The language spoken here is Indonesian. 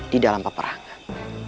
di dalam peperangan